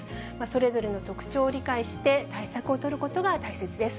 それぞれの特徴を理解して、対策を取ることが大切です。